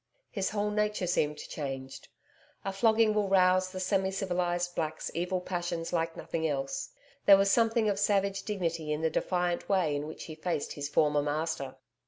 His whole nature seemed changed. A flogging will rouse the semi civilised black's evil passions like nothing else. There was something of savage dignity in the defiant way in which he faced his former master.